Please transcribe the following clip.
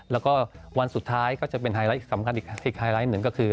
แล้วก็วันสุดท้ายก็จะเป็นไฮไลท์สำคัญอีกไฮไลท์หนึ่งก็คือ